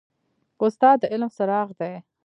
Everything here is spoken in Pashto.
استاد د علم څراغ دی.